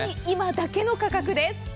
今だけの価格です。